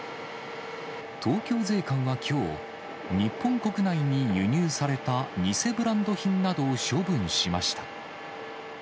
東京税関はきょう、日本国内に輸入された偽ブランド品などを処分しました。